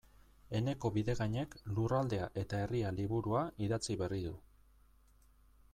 Eneko Bidegainek Lurraldea eta Herria liburua idatzi berri du.